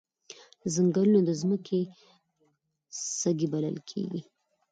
ځنګلونه د ځمکې سږي بلل کیږي